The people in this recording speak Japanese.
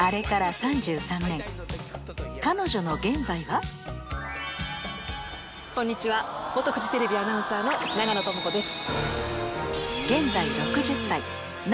彼女の現在はこんにちは元フジテレビアナウンサーの長野智子です